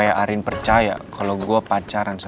lagi dengan kamu pacar aku